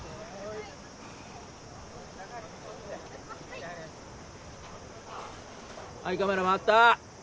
はいカメラ回った！